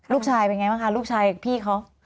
ลูกชายเป็นไงบ้างคะลูกชายพี่เขา